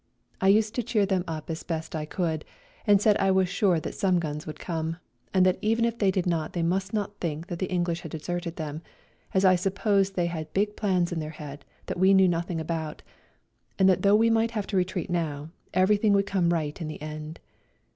I used to cheer them up as best I could, and said I was sure that some guns would come, and that even if they did not they must not think that the English had deserted them, as I supposed they had big plans in their head that we knew nothing about, and that though we might have to retreat now everything would come right in the end.